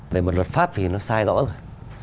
về một luật pháp thì nó sai rõ rồi